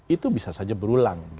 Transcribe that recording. itu bisa saja berulang